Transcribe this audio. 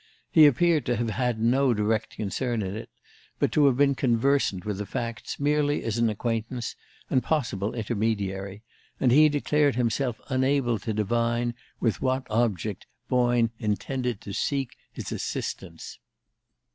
He appeared to have had no direct concern in it, but to have been conversant with the facts merely as an acquaintance, and possible intermediary; and he declared himself unable to divine with what object Boyne intended to seek his assistance.